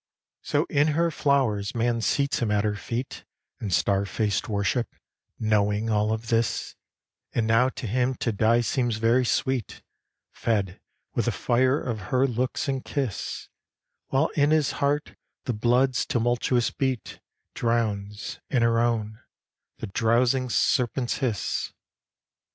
So in her flowers man seats him at her feet In star faced worship, knowing all of this; And now to him to die seems very sweet, Fed with the fire of her look and kiss; While in his heart the blood's tumultuous beat Drowns, in her own, the drowsing serpent's hiss.